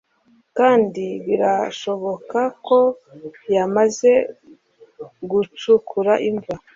kandi birashoboka ko yamaze gucukura imva